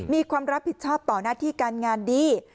มีความรับผิดชอบต่อหน้าที่การงานดี